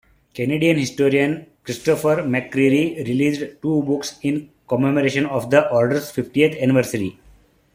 Canadian historian Christopher McCreery released two books in commemoration of the Order's fiftieth anniversary.